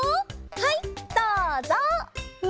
はいどうぞ！